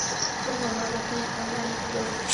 خپل مهارتونه انلاین وپلورئ.